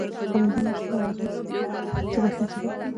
سمندر نه شتون د افغانستان د موسم د بدلون سبب کېږي.